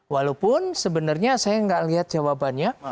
walaupun sebenarnya saya nggak lihat jawabannya